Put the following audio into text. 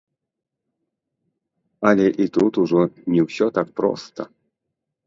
Але і тут ужо не ўсё так проста.